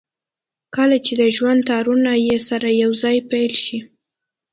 کله چې د ژوند تارونه يې سره يو ځای پييل کېږي.